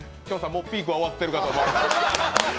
もうピークは終わってるかと。